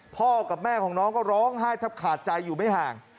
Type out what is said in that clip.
พ่อกับแม่ของน้องก็ร้องไห้แทบขาดใจอยู่ไม่ห่าง